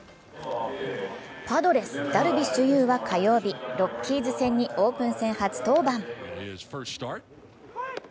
パドレス・ダルビッシュ有は火曜日、ロッキーズ戦にオープン戦初登板。